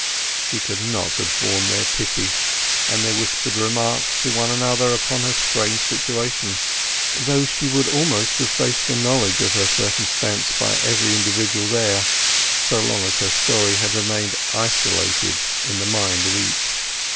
She could not have borne their pity, and their whispered remarks to one another upon her strange situation; though she would almost have faced a knowledge of her circumstances by every individual there, so long as her story had remained isolated in the mind of each.